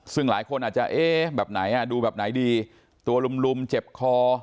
ซึ่งหลายคนอาจจะเอ๊ะแบบไหนดูแบบไหนดีตัวลุมเจ็บคอ